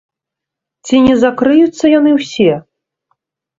Ці не закрыюцца яны ўсе?